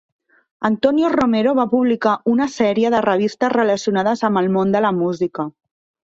Antonio Romero va publicar una sèrie de revistes relacionades amb el món de la música.